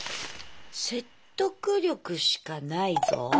説得力しかないぞ？